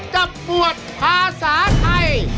จับปวดภาษาไทย